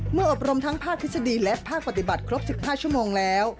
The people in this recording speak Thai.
อบรมทั้งภาคทฤษฎีและภาคปฏิบัติครบ๑๕ชั่วโมงแล้ว